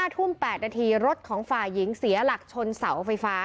ทุ่ม๘นาทีรถของฝ่ายหญิงเสียหลักชนเสาไฟฟ้า